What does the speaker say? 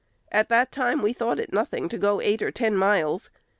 At that time we thought it nothing to go eight or ten miles.